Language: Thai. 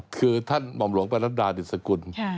คือท่านหม่อมหลวงประรัดดาดิสกุล